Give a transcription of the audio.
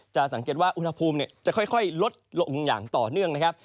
จะสังเกตว่าอุณหภูมิจะค่อยลดลงอย่างต่อเนื่องนะครับ